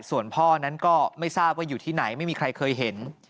ส่วนพ่อนั้นก็ไม่ทราบว่าอยู่ที่ไหนไม่มีใครเคยเห็น